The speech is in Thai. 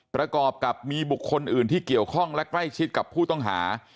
ประกอบกับมีบุคคลอื่นที่เกี่ยวข้องและใกล้ชิดกับผู้ต้องหา